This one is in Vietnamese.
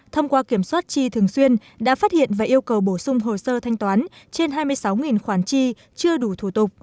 thông qua kiểm soát chi thường xuyên đã phát hiện và yêu cầu bổ sung hồ sơ thanh toán trên hai mươi sáu khoản chi chưa đủ thủ tục